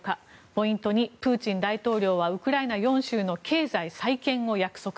ポイント２、プーチン大統領はウクライナ４州の経済再建を約束。